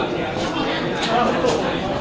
ที่เจนนี่ของกล้องนี้นะคะ